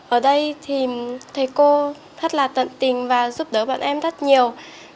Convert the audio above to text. ở đây thì thầy cô rất là tận tình và giúp đỡ bọn em rất nhiều